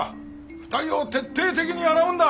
２人を徹底的に洗うんだ！